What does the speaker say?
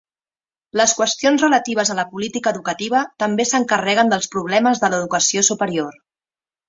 Les qüestions relatives a la política educativa també s'encarreguen dels problemes de l'educació superior.